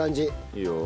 いいよ。